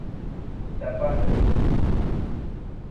La patro.